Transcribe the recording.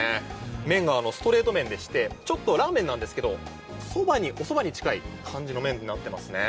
麺がストレート麺でしてラーメンなんですけどおそばに近い感じの麺になってますね。